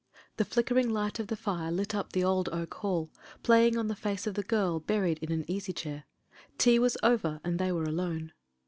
The flickering V V light of the fire lit up the old oak hall, playing on the face of the girl buried in an easy chair. Tea was over, and they were alone.